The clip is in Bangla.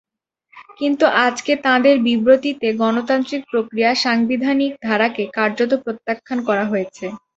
কিন্তু আজকে তাঁদের বিবৃতিতে গণতান্ত্রিক প্রক্রিয়া, সাংবিধানিক ধারাকে কার্যত প্রত্যাখ্যান করা হয়েছে।